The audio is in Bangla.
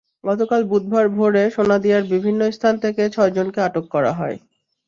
গতকাল বুধবার ভোরে সোনাদিয়ার বিভিন্ন স্থান থেকে ছয়জনকে আটক করা হয়।